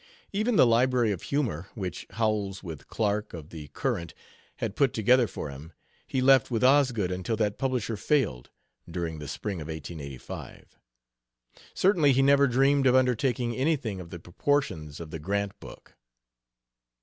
Even the Library of Humor, which Howells, with Clark, of the Courant, had put together for him, he left with Osgood until that publisher failed, during the spring of 1885. Certainly he never dreamed of undertaking anything of the proportions of the Grant book.